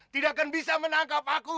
tidak akan bisa menangkap aku